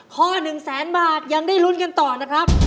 ข้อหนึ่งแสนบาทยังได้ลุ้นกันต่อนะครับ